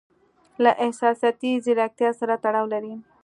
له احساساتي زیرکتیا سره تړاو لري.